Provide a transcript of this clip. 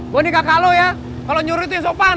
gue nih kakak lo ya kalo nyuruh itu yang sopan